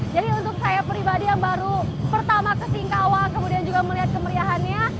jadi untuk saya pribadi yang baru pertama kesingkawa kemudian juga melihat kemeriahannya